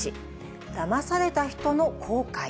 だまされた人の後悔。